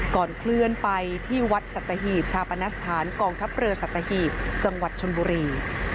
ก่อนเคลื่อนไปที่วัดสัตหีบชาปนสถานกองทัพเรือสัตหีบจังหวัดชนบุรี